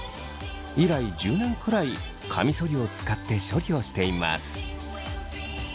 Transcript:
以来１０年くらいカミソリを使って処理をしています。